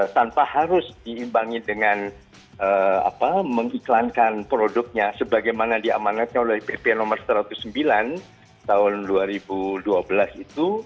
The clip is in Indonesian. tanpa harus diimbangi dengan mengiklankan produknya sebagaimana diamanatkan oleh pp no satu ratus sembilan tahun dua ribu dua belas itu